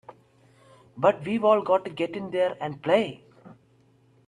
But we've all got to get in there and play!